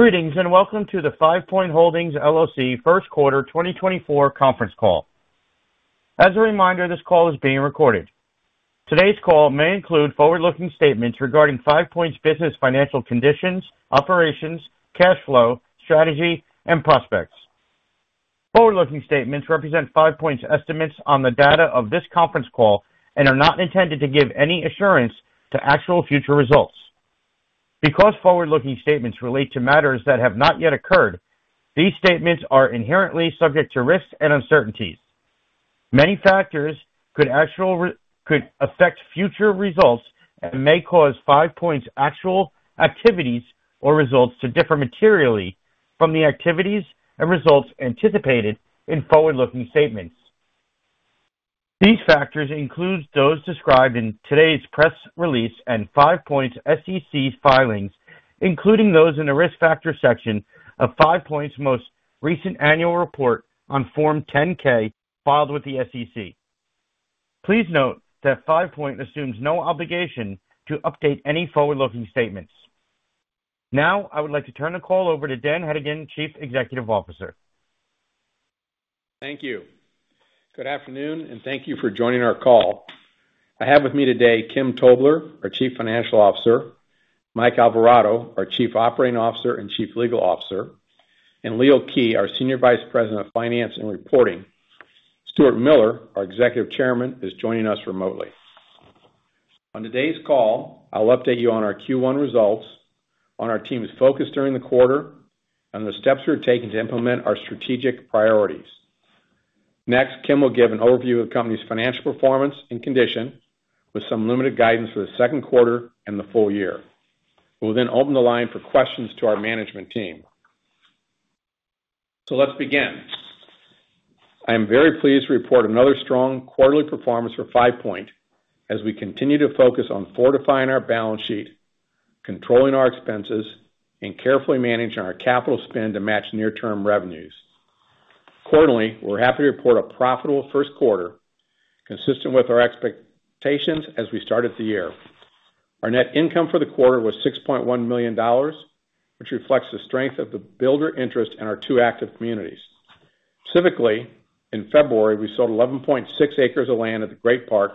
Greetings and welcome to the Five Point Holdings LLC First Quarter 2024 Conference Call. As a reminder, this call is being recorded. Today's call may include forward-looking statements regarding Five Point's business financial conditions, operations, cash flow, strategy, and prospects. Forward-looking statements represent Five Point's estimates on the date of this conference call and are not intended to give any assurance to actual future results. Because forward-looking statements relate to matters that have not yet occurred, these statements are inherently subject to risks and uncertainties. Many factors could affect future results and may cause Five Point's actual activities or results to differ materially from the activities and results anticipated in forward-looking statements. These factors include those described in today's press release and Five Point's SEC filings, including those in the risk factor section of Five Point's most recent annual report on Form 10-K filed with the SEC. Please note that Five Point assumes no obligation to update any forward-looking statements. Now I would like to turn the call over to Dan Hedigan, Chief Executive Officer. Thank you. Good afternoon and thank you for joining our call. I have with me today Kim Tobler, our Chief Financial Officer, Mike Alvarado, our Chief Operating Officer and Chief Legal Officer, and Leo Kij, our Senior Vice President of Finance and Reporting. Stuart Miller, our Executive Chairman, is joining us remotely. On today's call, I'll update you on our Q1 results, on our team's focus during the quarter, and the steps we are taking to implement our strategic priorities. Next, Kim will give an overview of the company's financial performance and condition, with some limited guidance for the second quarter and the full year. We will then open the line for questions to our management team. Let's begin. I am very pleased to report another strong quarterly performance for Five Point as we continue to focus on fortifying our balance sheet, controlling our expenses, and carefully managing our capital spend to match near-term revenues. Quarterly, we're happy to report a profitable first quarter, consistent with our expectations as we started the year. Our net income for the quarter was $6.1 million, which reflects the strength of the builder interest in our two active communities. Specifically, in February we sold 11.6 acres of land at the Great Park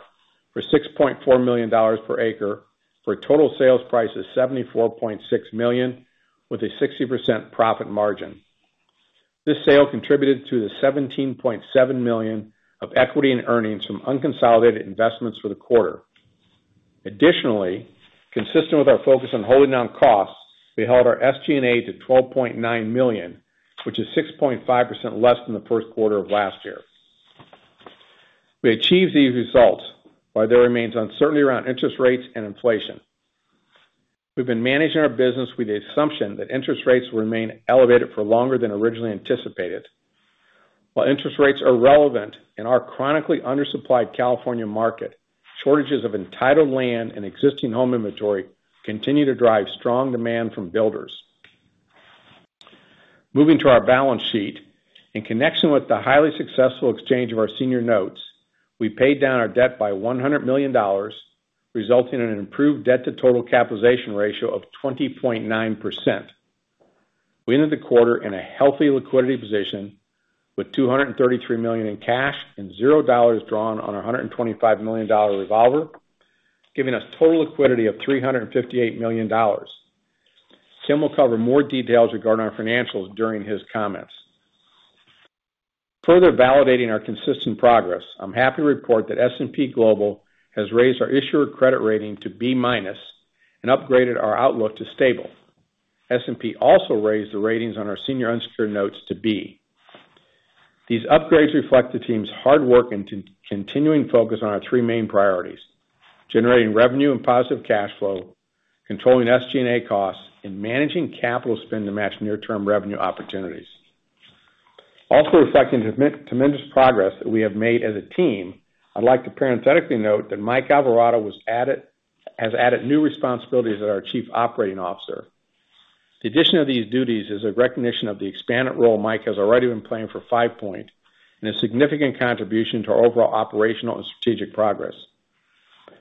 for $6.4 million per acre, for a total sales price of $74.6 million, with a 60% profit margin. This sale contributed to the $17.7 million of equity and earnings from unconsolidated investments for the quarter. Additionally, consistent with our focus on holding down costs, we held our SG&A to $12.9 million, which is 6.5% less than the first quarter of last year. We achieved these results while there remains uncertainty around interest rates and inflation. We've been managing our business with the assumption that interest rates will remain elevated for longer than originally anticipated. While interest rates are relevant in our chronically undersupplied California market, shortages of entitled land and existing home inventory continue to drive strong demand from builders. Moving to our balance sheet, in connection with the highly successful exchange of our senior notes, we paid down our debt by $100 million, resulting in an improved debt-to-total capitalization ratio of 20.9%. We ended the quarter in a healthy liquidity position, with $233 million in cash and $0 drawn on our $125 million revolver, giving us total liquidity of $358 million. Kim will cover more details regarding our financials during his comments. Further validating our consistent progress, I'm happy to report that S&P Global has raised our issuer credit rating to B- and upgraded our outlook to stable. S&P also raised the ratings on our senior unsecured notes to B. These upgrades reflect the team's hard work and continuing focus on our three main priorities: generating revenue and positive cash flow, controlling SG&A costs, and managing capital spend to match near-term revenue opportunities. Also reflecting tremendous progress that we have made as a team, I'd like to parenthetically note that Mike Alvarado has added new responsibilities as our Chief Operating Officer. The addition of these duties is a recognition of the expanded role Mike has already been playing for Five Point and a significant contribution to our overall operational and strategic progress.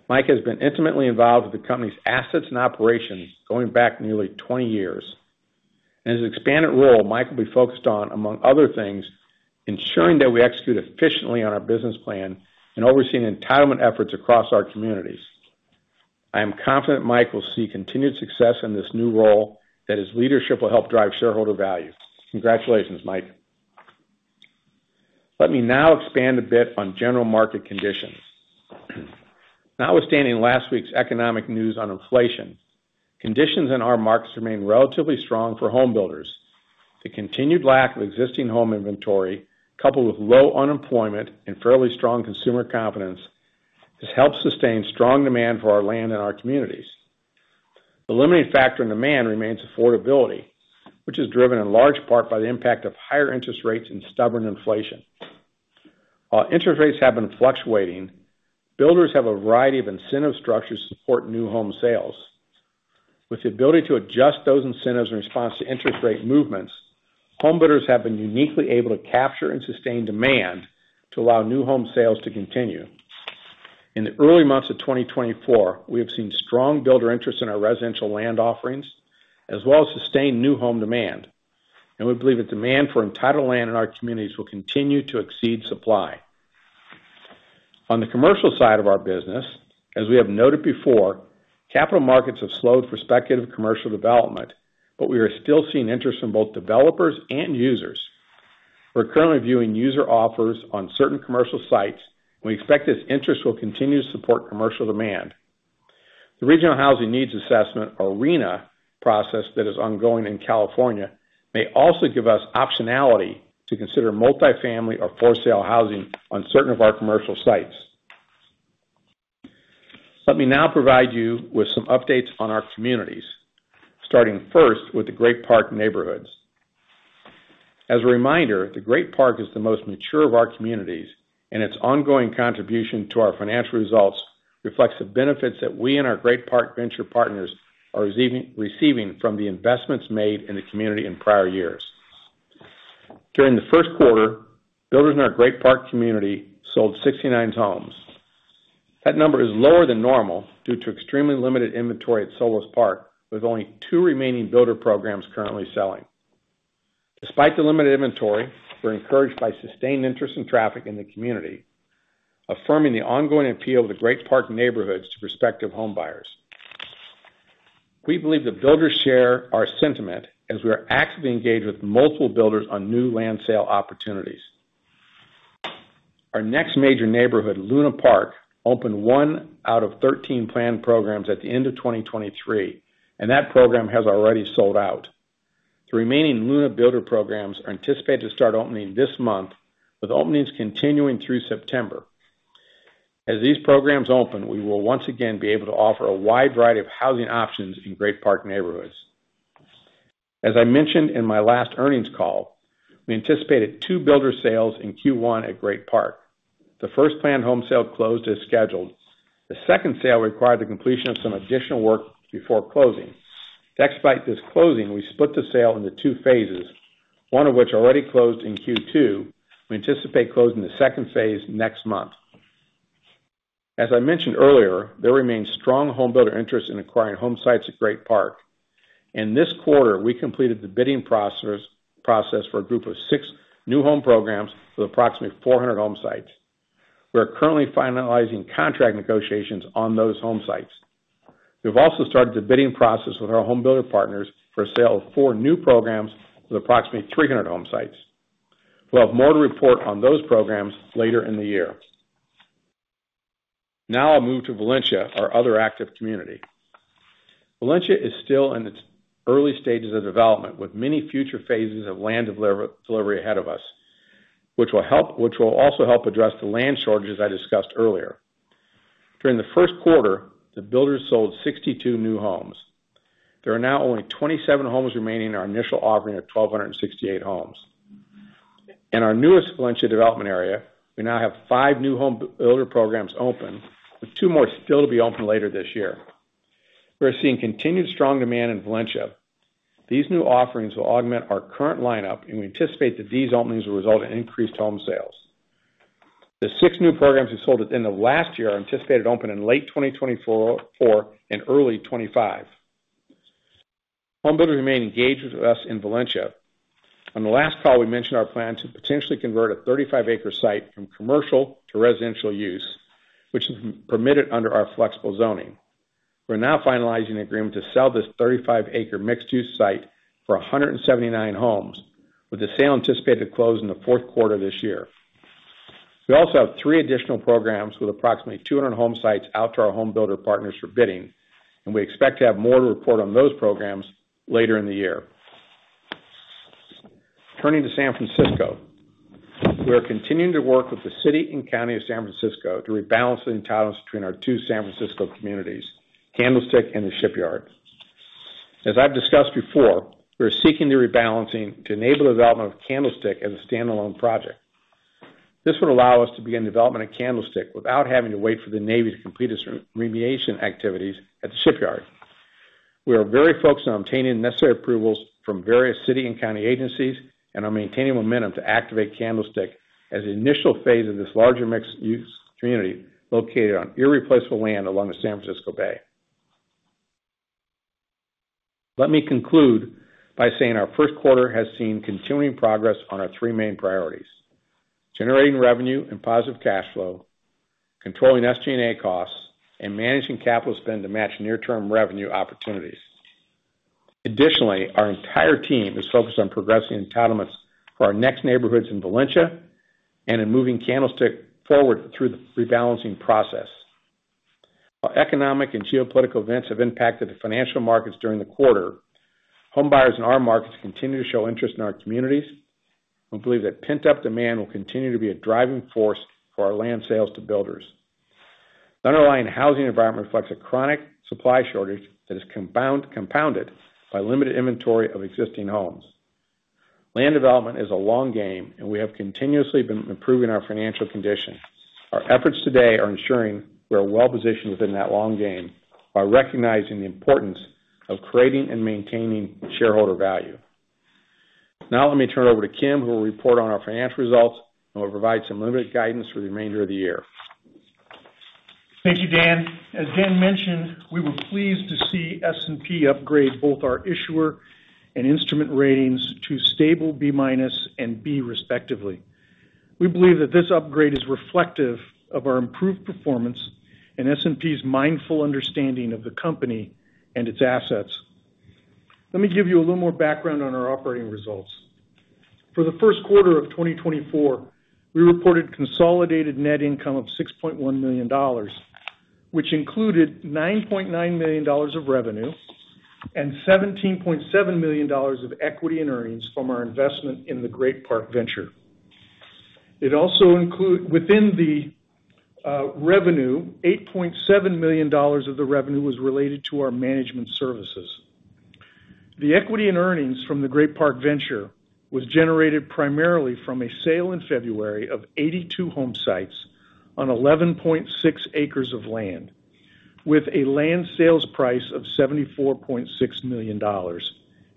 Mike has been intimately involved with the company's assets and operations going back nearly 20 years, and his expanded role, Mike will be focused on, among other things, ensuring that we execute efficiently on our business plan and overseeing entitlement efforts across our communities. I am confident Mike will see continued success in this new role, that his leadership will help drive shareholder value. Congratulations, Mike. Let me now expand a bit on general market conditions. Notwithstanding last week's economic news on inflation, conditions in our markets remain relatively strong for home builders. The continued lack of existing home inventory, coupled with low unemployment and fairly strong consumer confidence, has helped sustain strong demand for our land in our communities. The limiting factor in demand remains affordability, which is driven in large part by the impact of higher interest rates and stubborn inflation. While interest rates have been fluctuating, builders have a variety of incentive structures to support new home sales. With the ability to adjust those incentives in response to interest rate movements, home builders have been uniquely able to capture and sustain demand to allow new home sales to continue. In the early months of 2024, we have seen strong builder interest in our residential land offerings, as well as sustained new home demand, and we believe that demand for entitled land in our communities will continue to exceed supply. On the commercial side of our business, as we have noted before, capital markets have slowed with respect to commercial development, but we are still seeing interest from both developers and users. We're currently viewing user offers on certain commercial sites, and we expect this interest will continue to support commercial demand. The Regional Housing Needs Assessment, or RHNA, process that is ongoing in California may also give us optionality to consider multifamily or for-sale housing on certain of our commercial sites. Let me now provide you with some updates on our communities, starting first with the Great Park Neighborhoods. As a reminder, the Great Park is the most mature of our communities, and its ongoing contribution to our financial results reflects the benefits that we and our Great Park Venture partners are receiving from the investments made in the community in prior years. During the first quarter, builders in our Great Park community sold 69 homes. That number is lower than normal due to extremely limited inventory at Solis Park, with only two remaining builder programs currently selling. Despite the limited inventory, we're encouraged by sustained interest and traffic in the community, affirming the ongoing appeal of the Great Park Neighborhoods to prospective home buyers. We believe the builders share our sentiment as we are actively engaged with multiple builders on new land sale opportunities. Our next major neighborhood, Luna Park, opened 1 out of 13 planned programs at the end of 2023, and that program has already sold out. The remaining Luna builder programs are anticipated to start opening this month, with openings continuing through September. As these programs open, we will once again be able to offer a wide variety of housing options in Great Park Neighborhoods. As I mentioned in my last earnings call, we anticipated 2 builder sales in Q1 at Great Park. The first planned home sale closed as scheduled. The second sale required the completion of some additional work before closing. To expedite this closing, we split the sale into two phases, one of which already closed in Q2. We anticipate closing the second phase next month. As I mentioned earlier, there remains strong home builder interest in acquiring home sites at Great Park. In this quarter, we completed the bidding process for a group of six new home programs for approximately 400 home sites. We are currently finalizing contract negotiations on those home sites. We have also started the bidding process with our home builder partners for a sale of four new programs for approximately 300 home sites. We'll have more to report on those programs later in the year. Now I'll move to Valencia, our other active community. Valencia is still in its early stages of development, with many future phases of land delivery ahead of us, which will also help address the land shortages I discussed earlier. During the first quarter, the builders sold 62 new homes. There are now only 27 homes remaining in our initial offering of 1,268 homes. In our newest Valencia development area, we now have five new home builder programs open, with two more still to be open later this year. We are seeing continued strong demand in Valencia. These new offerings will augment our current lineup, and we anticipate that these openings will result in increased home sales. The six new programs we sold at the end of last year are anticipated to open in late 2024 and early 2025. Home builders remain engaged with us in Valencia. On the last call, we mentioned our plan to potentially convert a 35-acre site from commercial to residential use, which is permitted under our flexible zoning. We are now finalizing an agreement to sell this 35-acre mixed-use site for 179 homes, with the sale anticipated to close in the fourth quarter this year. We also have three additional programs with approximately 200 home sites out to our home builder partners for bidding, and we expect to have more to report on those programs later in the year. Turning to San Francisco. We are continuing to work with the City and County of San Francisco to rebalance the entitlements between our two San Francisco communities, Candlestick and The Shipyard. As I've discussed before, we are seeking to rebalance to enable the development of Candlestick as a standalone project. This would allow us to begin development of Candlestick without having to wait for the Navy to complete its remediation activities at The Shipyard. We are very focused on obtaining necessary approvals from various City and County agencies and on maintaining momentum to activate Candlestick as an initial phase of this larger mixed-use community located on irreplaceable land along the San Francisco Bay. Let me conclude by saying our first quarter has seen continuing progress on our three main priorities: generating revenue and positive cash flow, controlling SG&A costs, and managing capital spend to match near-term revenue opportunities. Additionally, our entire team is focused on progressing entitlements for our next neighborhoods in Valencia and in moving Candlestick forward through the rebalancing process. While economic and geopolitical events have impacted the financial markets during the quarter, home buyers in our markets continue to show interest in our communities, and we believe that pent-up demand will continue to be a driving force for our land sales to builders. The underlying housing environment reflects a chronic supply shortage that is compounded by limited inventory of existing homes. Land development is a long game, and we have continuously been improving our financial condition. Our efforts today are ensuring we are well-positioned within that long game by recognizing the importance of creating and maintaining shareholder value. Now let me turn it over to Kim, who will report on our financial results and will provide some limited guidance for the remainder of the year. Thank you, Dan. As Dan mentioned, we were pleased to see S&P upgrade both our issuer and instrument ratings to stable B- and B- respectively. We believe that this upgrade is reflective of our improved performance and S&P's mindful understanding of the company and its assets. Let me give you a little more background on our operating results. For the first quarter of 2024, we reported consolidated net income of $6.1 million, which included $9.9 million of revenue and $17.7 million of equity and earnings from our investment in the Great Park Venture. Within the revenue, $8.7 million of the revenue was related to our management services. The equity and earnings from the Great Park Venture were generated primarily from a sale in February of 82 home sites on 11.6 acres of land, with a land sales price of $74.6 million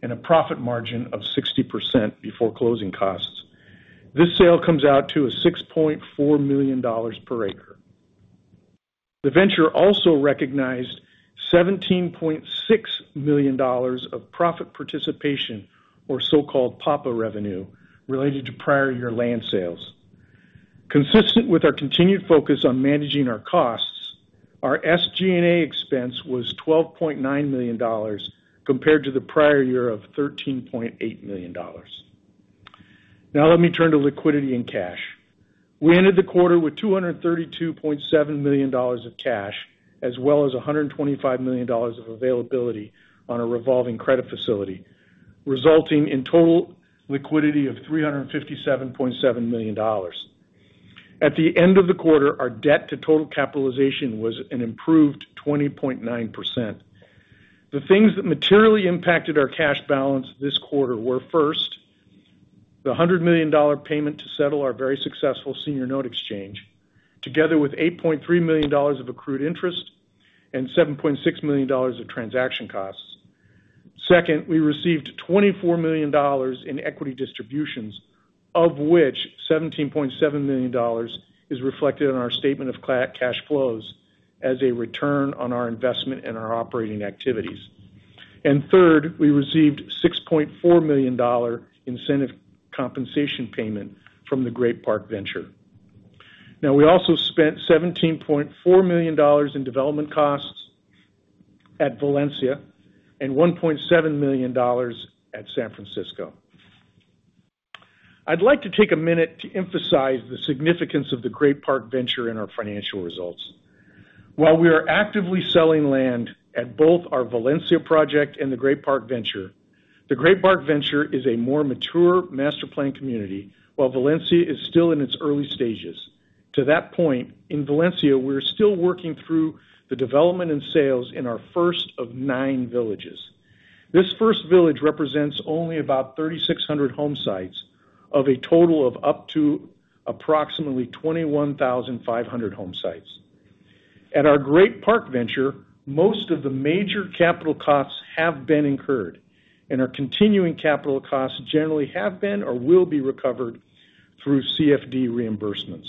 and a profit margin of 60% before closing costs. This sale comes out to $6.4 million per acre. The venture also recognized $17.6 million of profit participation, or so-called PAPA revenue, related to prior year land sales. Consistent with our continued focus on managing our costs, our SG&A expense was $12.9 million compared to the prior year of $13.8 million. Now let me turn to liquidity and cash. We ended the quarter with $232.7 million of cash, as well as $125 million of availability on a revolving credit facility, resulting in total liquidity of $357.7 million. At the end of the quarter, our debt to total capitalization was an improved 20.9%. The things that materially impacted our cash balance this quarter were, first, the $100 million payment to settle our very successful senior note exchange, together with $8.3 million of accrued interest and $7.6 million of transaction costs. Second, we received $24 million in equity distributions, of which $17.7 million is reflected in our statement of cash flows as a return on our investment in our operating activities. And third, we received a $6.4 million incentive compensation payment from the Great Park Venture. Now, we also spent $17.4 million in development costs at Valencia and $1.7 million at San Francisco. I'd like to take a minute to emphasize the significance of the Great Park Venture in our financial results. While we are actively selling land at both our Valencia project and the Great Park Venture, the Great Park Venture is a more mature master plan community, while Valencia is still in its early stages. To that point, in Valencia, we are still working through the development and sales in our first of nine villages. This first village represents only about 3,600 home sites of a total of up to approximately 21,500 home sites. At our Great Park Venture, most of the major capital costs have been incurred, and our continuing capital costs generally have been or will be recovered through CFD reimbursements.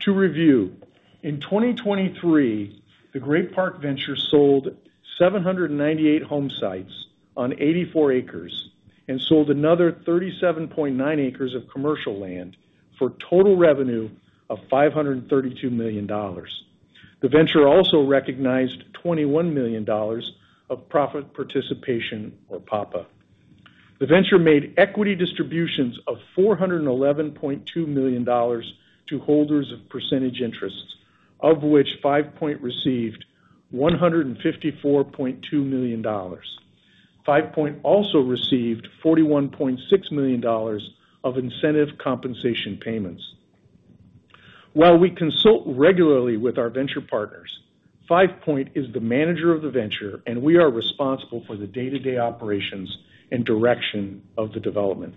To review, in 2023, the Great Park Venture sold 798 home sites on 84 acres and sold another 37.9 acres of commercial land for a total revenue of $532 million. The venture also recognized $21 million of profit participation, or PAPA. The venture made equity distributions of $411.2 million to holders of percentage interests, of which Five Point received $154.2 million. Five Point also received $41.6 million of incentive compensation payments. While we consult regularly with our venture partners, Five Point is the manager of the venture, and we are responsible for the day-to-day operations and direction of the development.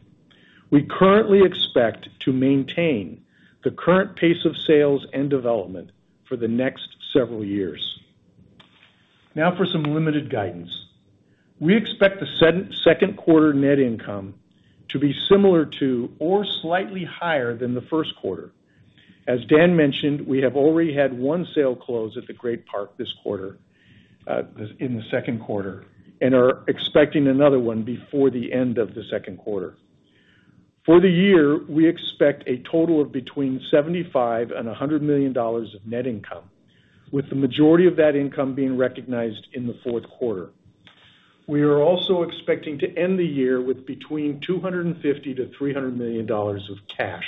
We currently expect to maintain the current pace of sales and development for the next several years. Now for some limited guidance. We expect the second quarter net income to be similar to or slightly higher than the first quarter. As Dan mentioned, we have already had one sale close at the Great Park in the second quarter and are expecting another one before the end of the second quarter. For the year, we expect a total of between $75-$100 million of net income, with the majority of that income being recognized in the fourth quarter. We are also expecting to end the year with between $250-$300 million of cash.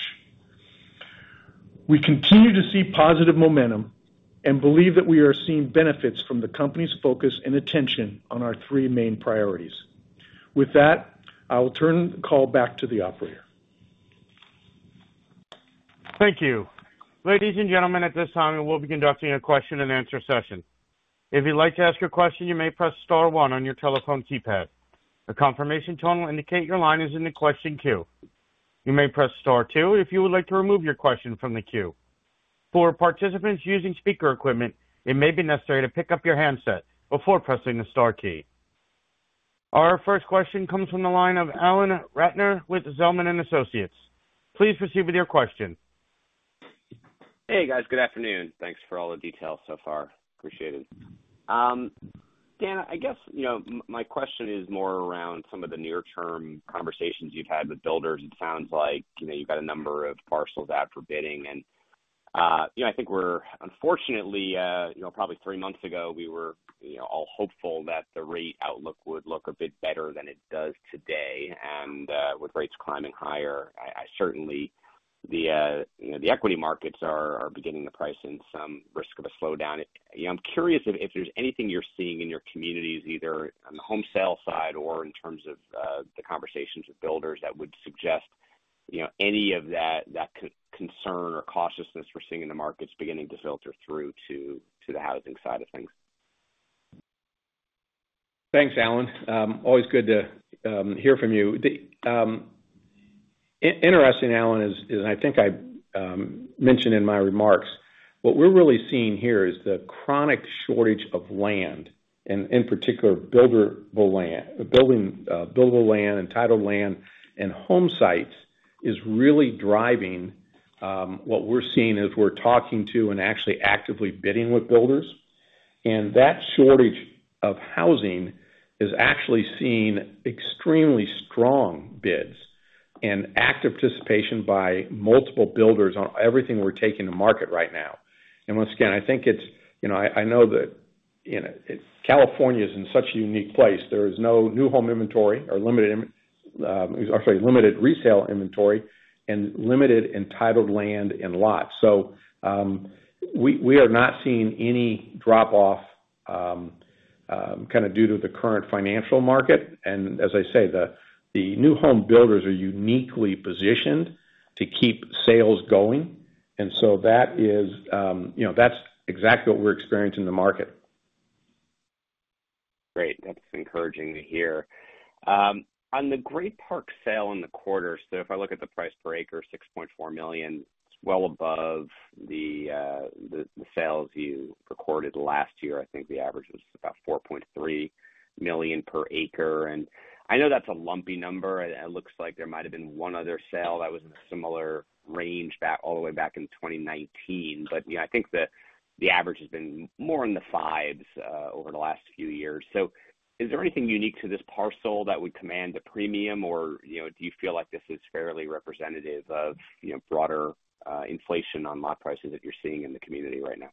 We continue to see positive momentum and believe that we are seeing benefits from the company's focus and attention on our three main priorities. With that, I will turn the call back to the operator. Thank you. Ladies and gentlemen, at this time, we will be conducting a question-and-answer session. If you'd like to ask a question, you may press star one on your telephone keypad. The confirmation tone will indicate your line is in the question queue. You may press star two if you would like to remove your question from the queue. For participants using speaker equipment, it may be necessary to pick up your handset before pressing the star key. Our first question comes from the line of Alan Ratner with Zelman & Associates. Please proceed with your question. Hey, guys. Good afternoon. Thanks for all the detail so far. Appreciate it. Dan, I guess my question is more around some of the near-term conversations you've had with builders. It sounds like you've got a number of parcels out for bidding, and I think we're unfortunately, probably three months ago, we were all hopeful that the rate outlook would look a bit better than it does today. And with rates climbing higher, certainly the equity markets are beginning to price in some risk of a slowdown. I'm curious if there's anything you're seeing in your communities, either on the home sale side or in terms of the conversations with builders, that would suggest any of that concern or cautiousness we're seeing in the markets beginning to filter through to the housing side of things. Thanks, Alan. Always good to hear from you. Interesting, Alan, is, and I think I mentioned in my remarks, what we're really seeing here is the chronic shortage of land, and in particular, buildable land, entitled land, and home sites, is really driving what we're seeing as we're talking to and actually actively bidding with builders. And that shortage of housing is actually seeing extremely strong bids and active participation by multiple builders on everything we're taking to market right now. And once again, I think it's, I know that California is in such a unique place. There is no new home inventory or limited, I'm sorry, limited resale inventory and limited entitled land and lots. So we are not seeing any drop-off kind of due to the current financial market. And as I say, the new home builders are uniquely positioned to keep sales going, and so that's exactly what we're experiencing in the market. Great. That's encouraging to hear. On the Great Park sale in the quarter, so if I look at the price per acre, $6.4 million, it's well above the sales you recorded last year. I think the average was about $4.3 million per acre. And I know that's a lumpy number. It looks like there might have been one other sale that was in a similar range all the way back in 2019, but I think the average has been more in the fives over the last few years. So is there anything unique to this parcel that would command a premium, or do you feel like this is fairly representative of broader inflation on lot prices that you're seeing in the community right now?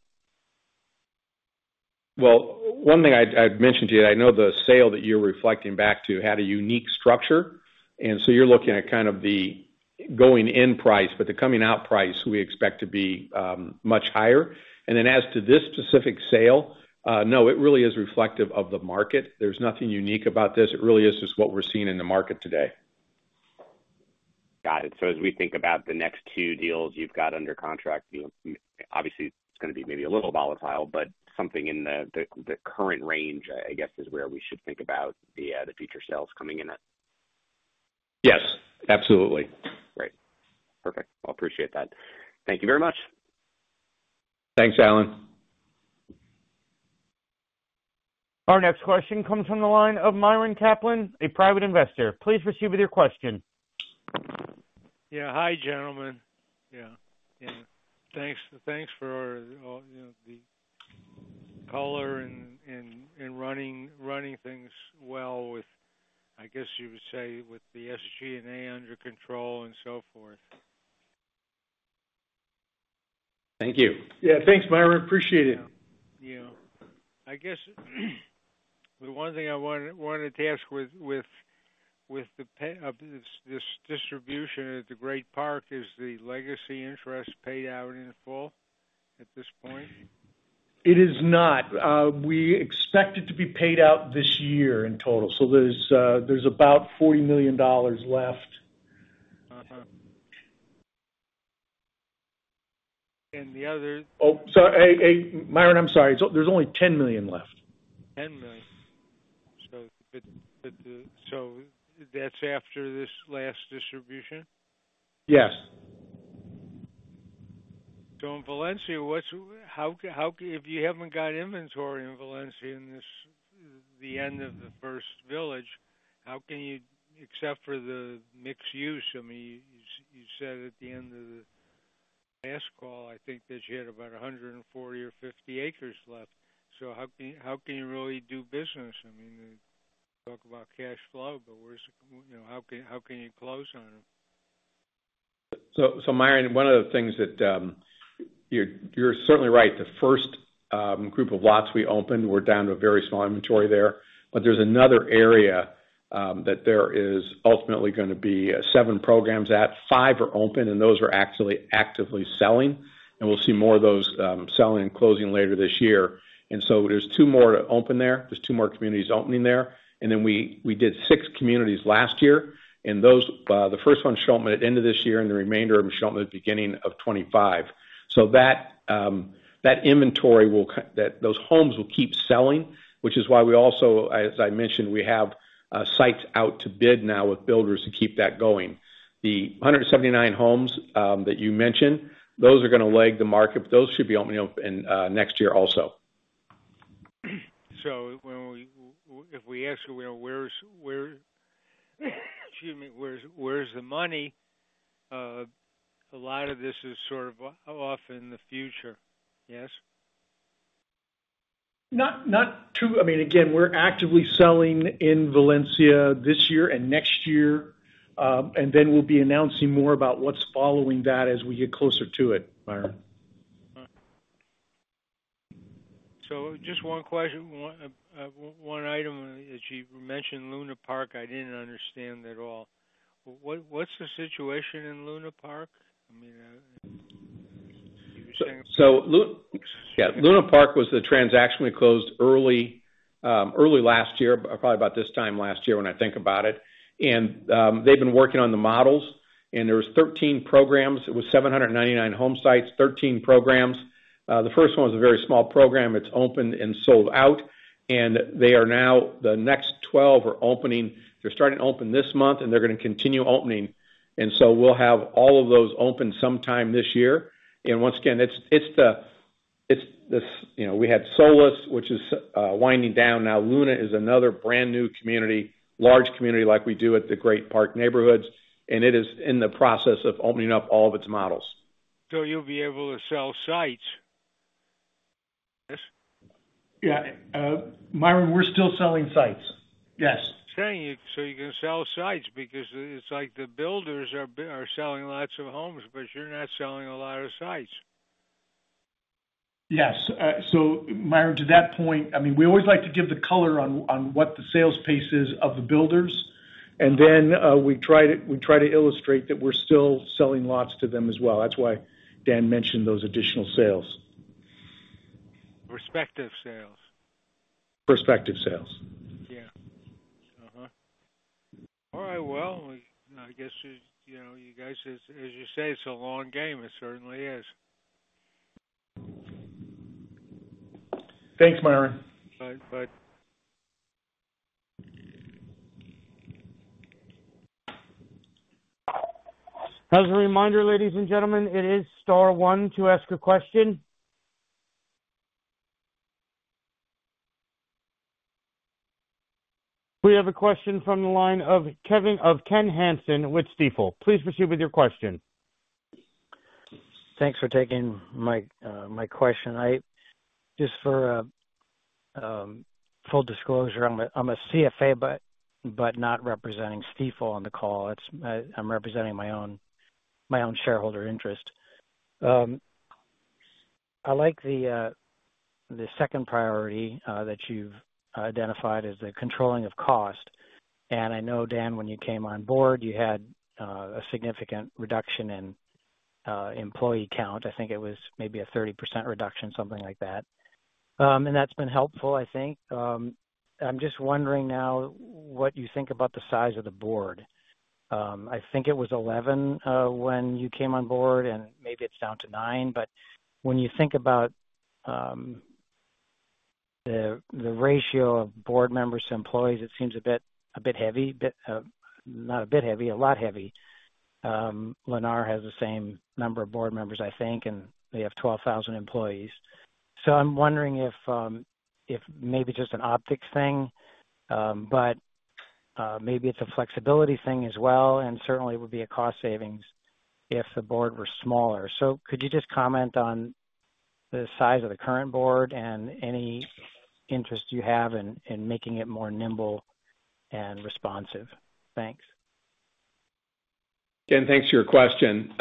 Well, one thing I'd mention to you, I know the sale that you're reflecting back to had a unique structure, and so you're looking at kind of the going-in price, but the coming-out price, we expect to be much higher. And then as to this specific sale, no, it really is reflective of the market. There's nothing unique about this. It really is just what we're seeing in the market today. Got it. So as we think about the next two deals you've got under contract, obviously, it's going to be maybe a little volatile, but something in the current range, I guess, is where we should think about the future sales coming in at. Yes, absolutely. Great. Perfect. Well, I appreciate that. Thank you very much. Thanks, Alan. Our next question comes from the line of Myron Kaplan, a private investor. Please proceed with your question. Yeah. Hi, gentlemen. Yeah. Yeah. Thanks for the call and running things well with, I guess you would say, with the SG&A under control and so forth. Thank you. Yeah. Thanks, Myron. Appreciate it. Yeah. I guess the one thing I wanted to ask with this distribution at the Great Park is the legacy interest paid out in full at this point? It is not. We expect it to be paid out this year in total, so there's about $40 million left. Oh, sorry. Hey, Myron, I'm sorry. There's only $10 million left. $10 million. So that's after this last distribution? Yes. So in Valencia, if you haven't got inventory in Valencia at the end of the first village, how can you expect for the mixed use? I mean, you said at the end of the last call, I think that you had about 140 or 50 acres left. So how can you really do business? I mean, you talk about cash flow, but how can you close on them? So, Myron, one of the things that you're certainly right. The first group of lots we opened, we're down to a very small inventory there, but there's another area that there is ultimately going to be seven programs at. 5 are open, and those are actually actively selling, and we'll see more of those selling and closing later this year. So there's 2 more open there. There's 2 more communities opening there. Then we did 6 communities last year, and the first one sheltered at the end of this year, and the remainder of them sheltered at the beginning of 2025. So that inventory, those homes will keep selling, which is why we also, as I mentioned, we have sites out to bid now with builders to keep that going. The 179 homes that you mentioned, those are going to leg the market. Those should be opening up next year also. So if we ask you, "Where's the money?" a lot of this is sort of off in the future, yes? I mean, again, we're actively selling in Valencia this year and next year, and then we'll be announcing more about what's following that as we get closer to it, Myron. So just one question, one item. As you mentioned Luna Park, I didn't understand at all. What's the situation in Luna Park? I mean, you were saying. So yeah, Luna Park was the transaction we closed early last year, probably about this time last year when I think about it. And they've been working on the models, and there were 13 programs. It was 799 home sites, 13 programs. The first one was a very small program. It's opened and sold out, and they are now the next 12 are opening. They're starting to open this month, and they're going to continue opening. And so we'll have all of those open sometime this year. Once again, it's the we had Solis, which is winding down. Now, Luna is another brand new community, large community like we do at the Great Park Neighborhoods, and it is in the process of opening up all of its models. So you'll be able to sell sites, yes? Yeah. Myron, we're still selling sites. Yes. So you can sell sites because it's like the builders are selling lots of homes, but you're not selling a lot of sites. Yes. So, Myron, to that point, I mean, we always like to give the color on what the sales pace is of the builders, and then we try to illustrate that we're still selling lots to them as well. That's why Dan mentioned those additional sales. Prospective sales. Prospective sales. Yeah. All right. Well, I guess you guys as you say, it's a long game. It certainly is. Thanks, Myron. Bye. Bye. As a reminder, ladies and gentlemen, it is star one to ask a question. We have a question from the line of Ken Hansen with Stifel. Please proceed with your question. Thanks for taking my question. Just for full disclosure, I'm a CFA but not representing Stifel on the call. I'm representing my own shareholder interest. I like the second priority that you've identified as the controlling of cost. And I know, Dan, when you came on board, you had a significant reduction in employee count. I think it was maybe a 30% reduction, something like that. And that's been helpful, I think. I'm just wondering now what you think about the size of the board. I think it was 11 when you came on board, and maybe it's down to 9. When you think about the ratio of Board Members to employees, it seems a bit heavy, not a bit heavy, a lot heavy. Lennar has the same number of Board Members, I think, and they have 12,000 employees. I'm wondering if maybe just an optics thing, but maybe it's a flexibility thing as well, and certainly, it would be a cost savings if the board were smaller. Could you just comment on the size of the current board and any interest you have in making it more nimble and responsive? Thanks. Dan, thanks for your question.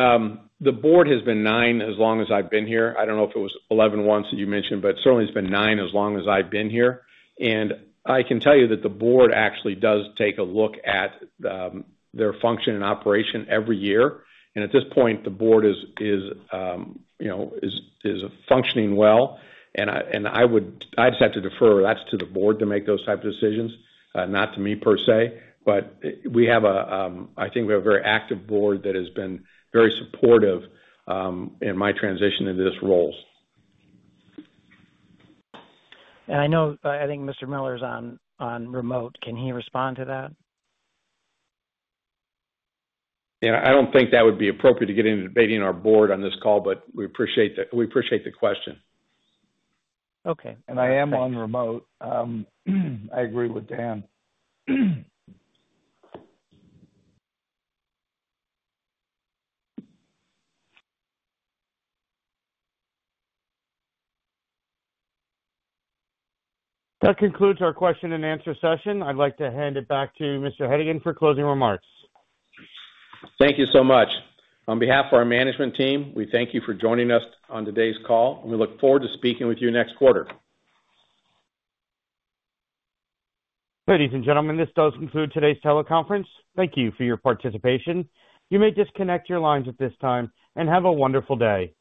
The board has been nine as long as I've been here. I don't know if it was 11 once that you mentioned, but certainly, it's been nine as long as I've been here. I can tell you that the board actually does take a look at their function and operation every year. At this point, the board is functioning well, and I would, I'd just have to defer that to the board to make those type of decisions, not to me per se. But we have, I think, a very active board that has been very supportive in my transition into these roles. And I think Mr. Miller's on remote. Can he respond to that? Yeah. I don't think that would be appropriate to get into debating our board on this call, but we appreciate the question. Okay. I am on remote. I agree with Dan. That concludes our question-and-answer session. I'd like to hand it back to Mr. Hedigan for closing remarks. Thank you so much. On behalf of our Management Team, we thank you for joining us on today's call, and we look forward to speaking with you next quarter. Ladies and gentlemen, this does conclude today's teleconference. Thank you for your participation. You may disconnect your lines at this time and have a wonderful day.